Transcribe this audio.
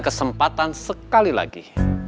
kesempatan sekali lagi